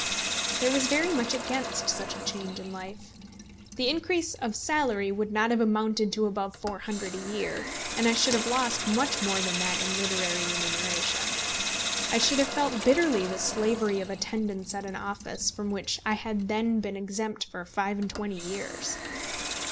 There was very much against such a change in life. The increase of salary would not have amounted to above £400 a year, and I should have lost much more than that in literary remuneration. I should have felt bitterly the slavery of attendance at an office, from which I had then been exempt for five and twenty years.